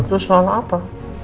terus soal apa